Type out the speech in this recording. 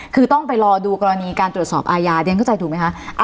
คือต้องไปรอดูกรณีการตรวจสอบอาญาเรียนเข้าใจถูกไหมคะ